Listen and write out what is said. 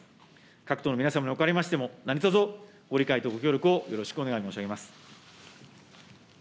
各党の皆様におかれましても、何とぞ、ご理解とご協力をよろしくお願い申し上げます。